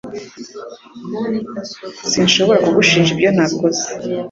Sinshobora kugushinja ibyo nakoze